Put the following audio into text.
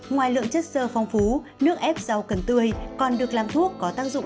ngoài lượng chất sơ phong phú nước ép rau cần tươi còn được làm thuốc có tác dụng